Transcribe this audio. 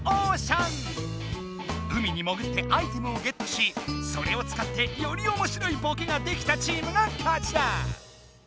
海にもぐってアイテムをゲットしそれを使ってよりおもしろいボケができたチームが勝ちだ！